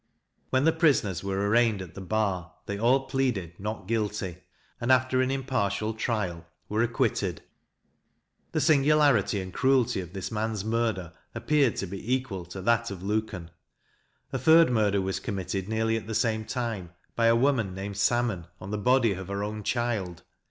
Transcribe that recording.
When the prisoners were arraigned at the bar, they all pleaded "Not guilty;" and, after an impartial trial, were acquitted. The singularity and cruelty of this man's murder appeared to be equal to that of Luken. A third murder was committed, nearly at the same time, by a woman named Salmon, on the body of her own child.